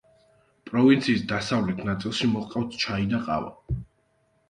პროვინციის დასავლეთ ნაწილში მოჰყავთ ჩაი და ყავა.